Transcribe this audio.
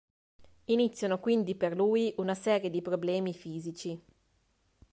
Iniziano quindi per lui una serie di problemi fisici.